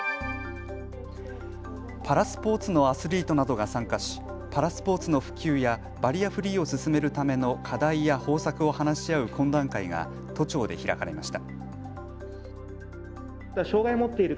パラスポーツのアスリートなどが参加し、パラスポーツの普及やバリアフリーを進めるための課題や方策を話し合う懇談会が都庁で開かれました。